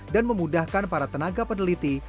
dan memudahkan para tenaga peneliti